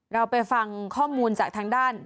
เราไปฟังข้อมูลจากทางด้าน